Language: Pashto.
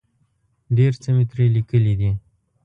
ډېر څه مې ترې لیکلي دي.